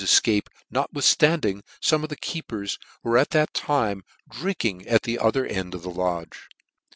efcape, notwithftanding fome of the keepers were at that time drinking at the other end of the lodge.